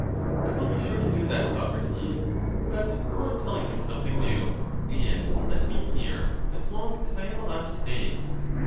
I will be sure to do that, Socrates ; but go on telling him something new, and let me hear, as long as I am allowed to stay.